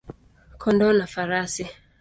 kondoo na farasi.